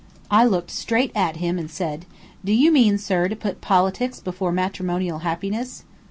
I looked straight at him and said: "Do you mean, sir, to put politics before matrimonial happiness?"